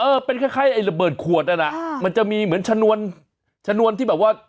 เป็นคล้ายไอ้ระเบิดขวดนั้นอ่ะมันจะมีเหมือนชนวนชนวนที่แบบว่า